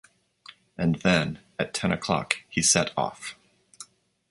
And then, at ten o’clock, he set off.